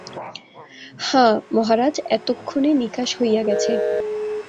হাঁ, মহারাজ, এতক্ষণে নিকাশ হইয়া গেছে।